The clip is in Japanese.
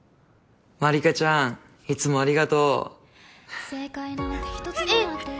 マリカちゃんいつもありがとう！えっ！